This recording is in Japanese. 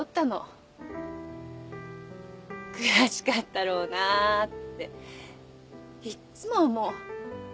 悔しかったろうなっていっつも思う。